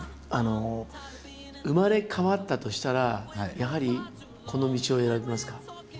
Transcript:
生まれ変わったとしたらやはりこの道を選びますか？